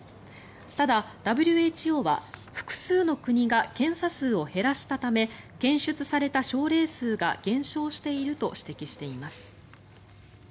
ただ、ＷＨＯは複数の国が検査数を減らしたため検出された症例数が減少していると指摘しています。